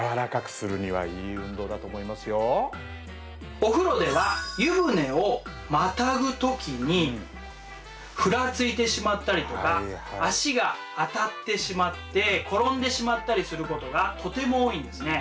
お風呂では湯船をまたぐ時にふらついてしまったりとか足が当たってしまって転んでしまったりすることがとても多いんですね。